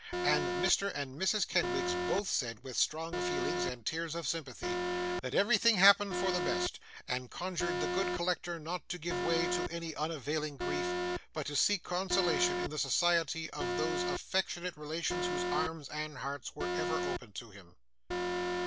And Mr. and Mrs. Kenwigs both said, with strong feelings and tears of sympathy, that everything happened for the best; and conjured the good collector not to give way to unavailing grief, but to seek consolation in the society of those affectionate relations whose arms and hearts were ever open to him.